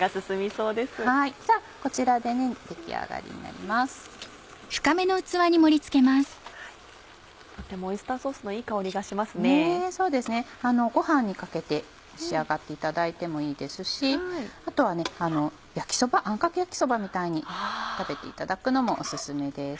そうですねご飯にかけて召し上がっていただいてもいいですしあとはあんかけ焼きそばみたいに食べていただくのもオススメです。